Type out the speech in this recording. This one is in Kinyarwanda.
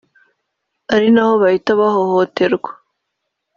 ari na ho bahita bahohotererwa